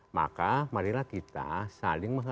maka marilah kita saling mengenal